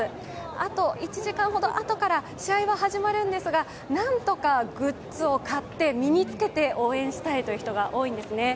あと１時間ほど後から試合は始まるんですが、なんとかグッズを買って身につけて応援したいという人が多いんですね。